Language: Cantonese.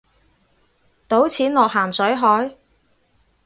倒錢落咸水海